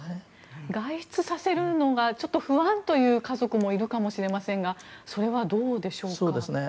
外出させるのがちょっと不安という家族もいるかもしれませんがそれはどうでしょうか。